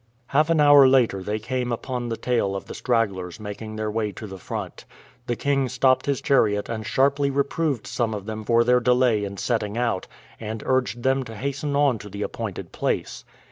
Half an hour later they came upon the tail of the stragglers making their way to the front. The king stopped his chariot and sharply reproved some of them for their delay in setting out, and urged them to hasten on to the appointed place.